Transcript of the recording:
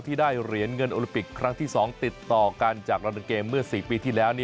ที่ได้เหรียญเงินโอลิปิกครั้งที่๒ติดต่อกันจากลานเกมเมื่อ๔ปีที่แล้ว